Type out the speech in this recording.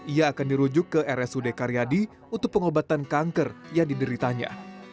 ia akan dirujuk ke rsud karyadi untuk pengobatan kanker yang dideritanya